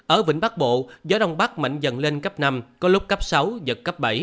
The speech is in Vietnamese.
ở vĩnh bắc bộ gió đông bắc mạnh dần lên cấp năm có lúc cấp sáu giật cấp bảy